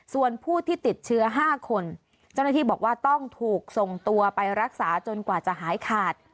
ส่วนผู้ที่ติดเชื้อ๕คนเจ้าหน้าที่บอกว่าต้องถูกส่งตัวไปรักษาจนกว่าจะหายขาด